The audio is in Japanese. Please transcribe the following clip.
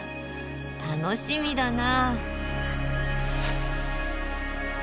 楽しみだな。